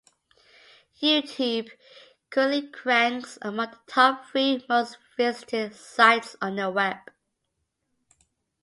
YouTube currently ranks among the top three most-visited sites on the web.